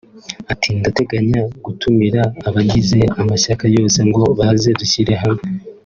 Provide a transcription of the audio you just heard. ati “Ndateganya gutumira abagize amashyaka yose ngo baze dushyire hamwe